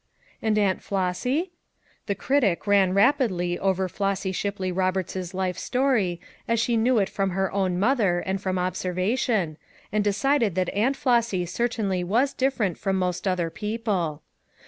And Aunt Flossy? The critic ran rapidly over Flossy Shipley Roberts' life story as she knew it from her own mother and from observation, and decided that Aunt Flossy certainly was different from most other people.